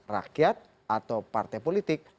rakyat atau partai politik